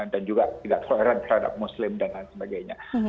dan juga tidak toleran terhadap muslim dan lain sebagainya